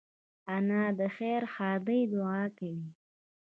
انا د خیر ښادۍ دعا کوي